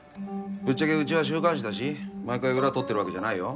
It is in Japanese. ぶっちゃけうちは週刊誌だし毎回裏取ってるわけじゃないよ。